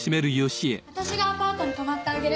私がアパートに泊まってあげる。